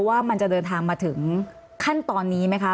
ว่ามันจะเดินทางมาถึงขั้นตอนนี้ไหมคะ